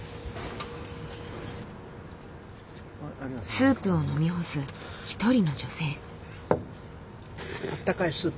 スープを飲み干す一人の女性。